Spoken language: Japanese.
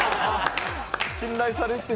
信頼されて。